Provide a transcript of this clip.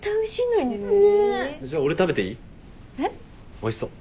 おいしそう。